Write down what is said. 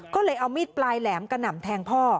ก็เลยเอามีดปลายแหลมกระหน่ำแทงพ่อ